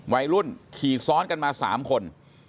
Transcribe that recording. วัยรุ่นขี่ซ้อนกันมา๓คน